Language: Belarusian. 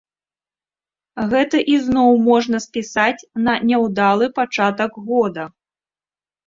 Гэта ізноў можна спісаць на няўдалы пачатак года.